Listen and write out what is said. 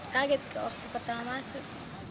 kaget waktu pertama masuk